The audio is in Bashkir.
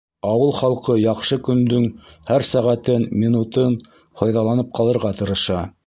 Ауыл халҡы яҡшы көндөң һәр сәғәтен, минутын файҙаланып ҡалырға тырыша.